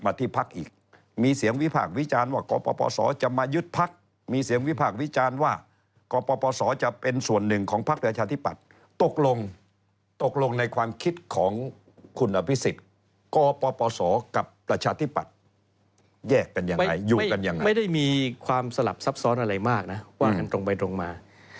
ไม่ได้มีความสลับซับซ้อนอะไรมากนะว่ากันตรงไปตรงมา